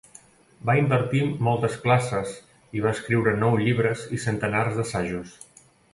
Va impartir moltes classes i va escriure nou llibres i centenars d'assajos.